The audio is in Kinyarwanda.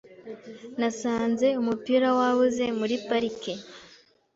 Nasanze umupira wabuze muri parike .